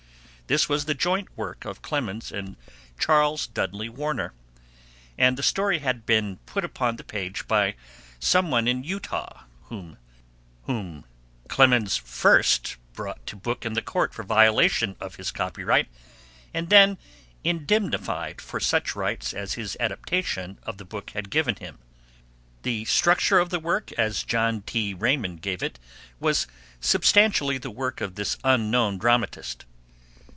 This was the joint work of Clemens and Charles Dudley Warner, and the story had been put upon the stage by some one in Utah, whom Clemens first brought to book in the courts for violation of his copyright, and then indemnified for such rights as his adaptation of the book had given him. The structure of the play as John T. Raymond gave it was substantially the work of this unknown dramatist.